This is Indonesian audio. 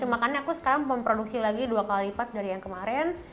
makanya aku sekarang memproduksi lagi dua kali lipat dari yang kemarin